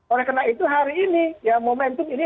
orang kena itu hari ini ya momentum ini